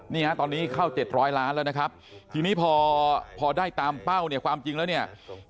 นี่ฮะตอนนี้เข้า๗๐๐ล้านแล้วนะครับทีนี้พอพอได้ตามเป้าเนี่ยความจริงแล้วเนี่ย